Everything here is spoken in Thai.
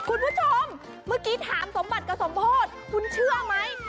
คุณผู้ชมเมื่อกี้ถามสมบัติกับสมโพธิคุณเชื่อไหม